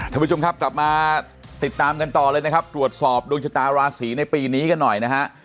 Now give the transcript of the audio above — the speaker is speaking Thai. ท่านผู้ชมครับกลับมาติดตามกันต่อเลยนะครับตรวจสอบดวงชะตาราศีในปีนี้กันหน่อยนะฮะ